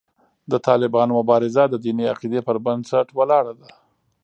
د طالبانو مبارزه د دیني عقیدې پر بنسټ ولاړه ده.